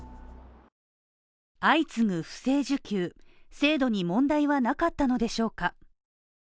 相次ぐ不正受給制度に問題はなかったのでしょうか？